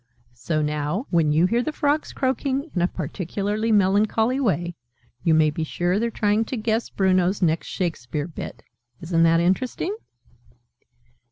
(So now, when you hear the Frogs croaking in a particularly melancholy way, you may be sure they're trying to guess Bruno's next Shakespeare 'Bit'. Isn't that interesting?)